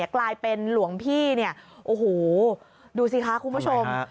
กลายเป็นหลวงพี่เนี่ยโอ้โหดูสิคะคุณผู้ชม